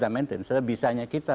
sebenarnya bisa hanya kita